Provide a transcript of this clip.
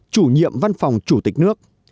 chủ nhiệm văn phòng chủ tịch nước